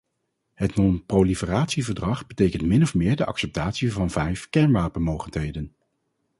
Het non-proliferatieverdrag betekent min of meer de acceptatie van vijf kernwapenmogendheden.